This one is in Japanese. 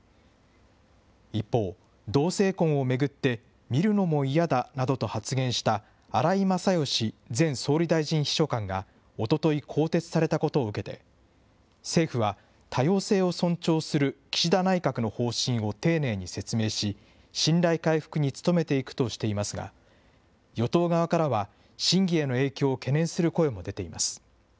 一方、同性婚を巡って、見るのも嫌だなどと発言した荒井勝喜前総理大臣秘書官がおととい、更迭されたことを受けて、政府は、多様性を尊重する岸田内閣の方針を丁寧に説明し、信頼回復に努めていくとしていますが、与党側からは、審議への影響を懸念する声も出ています。